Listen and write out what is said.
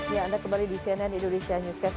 ya anda kembali di cnn indonesia newscast